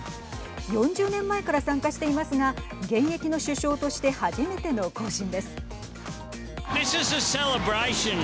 ４０年前から参加していますが現役の首相として初めての行進です。